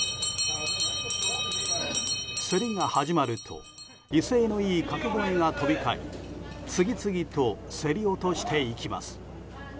競りが始まると威勢のいい掛け声が飛び交い次々と競り落としていきます。